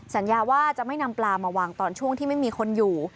สัญญาว่าจะไม่นำปลามาวางตอนช่วงที่ไม่มีคนอยู่